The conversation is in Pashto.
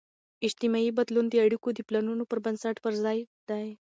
اجتماعي بدلون د اړیکو د پلانون پر بنسټ پرځای دی.